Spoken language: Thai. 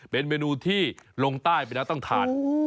เป็นเมนูที่ลงใต้ไปแล้วต้องทาน